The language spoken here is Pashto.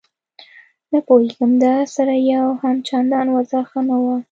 نه پوهېږم ده سره یې هم چندان وضعه ښه نه وه.